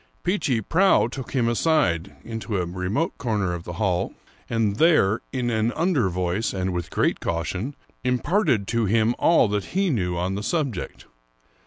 Peechy Prauw took him aside into a remote corner of the hall, and there, in an under voice and with great caution, imparted to him all that he knew on the subject.